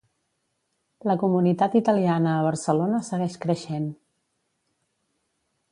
La comunitat italiana a Barcelona segueix creixent.